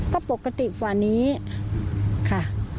ก็ปกติฝ่านี้ค่ะ